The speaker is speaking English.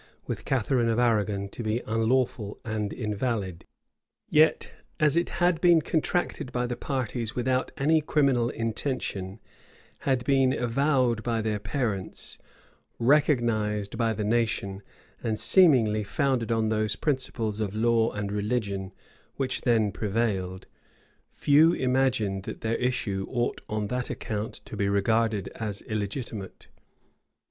with Catharine of Arragon to be unlawful and invalid; yet, as it had been contracted by the parties without any criminal intention, had been avowed by their parents, recognized by the nation, and seemingly founded on those principles of law and religion which then prevailed, few imagined that their issue ought on that account to be regarded as illegitimate.